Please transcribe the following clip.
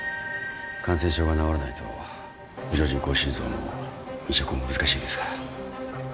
感染症が治らないと補助人工心臓も移植も難しいですから。